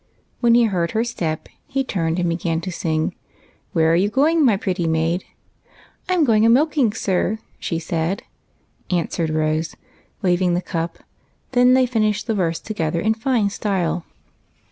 When he heard her step, he turned about and began to sing, —" Where are you going, my pretty maid ?"" I 'm going a milking, sir, she said," answered Rose, waving the cup ; and then they finished the verse to gether in fine style.